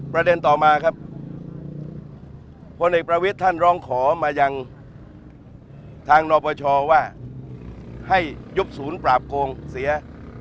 ประเด็นต่อมาครับพลเอกประวิทย์ท่านร้องขอมายังทางนปชว่าให้ยุบศูนย์ปราบโกงเสีย